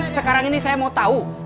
sekarang ini saya mau tahu